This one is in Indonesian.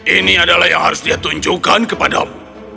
ini adalah yang harus dia tunjukkan kepadamu